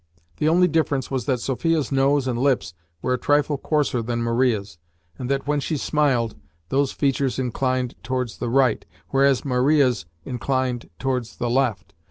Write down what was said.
The only difference was that Sophia's nose and lips were a trifle coarser than Maria's, and that, when she smiled, those features inclined towards the right, whereas Maria's inclined towards the left.